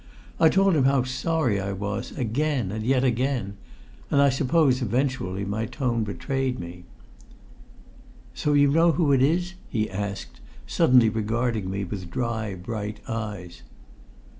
I told him how sorry I was, again and yet again, and I suppose eventually my tone betrayed me. "So you know who it is?" he asked, suddenly regarding me with dry bright eyes.